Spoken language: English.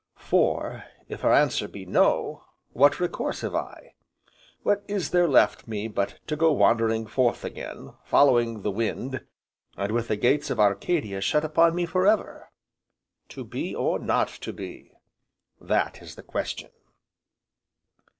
For, if her answer be 'No,' what recourse have I, what is there left me but to go wandering forth again, following the wind, and with the gates of Arcadia shut upon me for ever? 'To be, or not to be, that is the question!'"